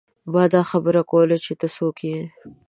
ما دا خبره کوله چې ته څوک يې ۔